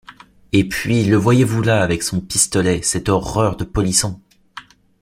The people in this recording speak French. Et puis le voyez-vous là avec son pistolet, cette horreur de polisson!